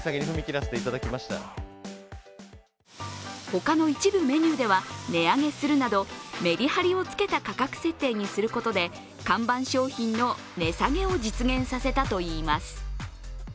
他の一部メニューでは値上げするなど、めり張りをつけた価格設定にすることで看板商品の値下げを実現させたといいます。